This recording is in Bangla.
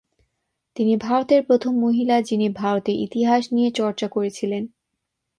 তিনি ভারতের প্রথম মহিলা যিনি ভারতের ইতিহাস নিয়ে চর্চা করেছিলেন।